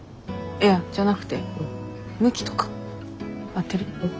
いやじゃなくて向きとか合ってる？